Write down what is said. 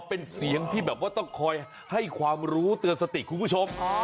เป็นเสียงที่แบบว่าต้องคอยให้ความรู้เตือนสติคุณผู้ชม